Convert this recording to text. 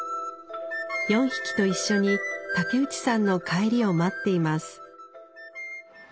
４匹と一緒に竹内さんの帰りを待っています。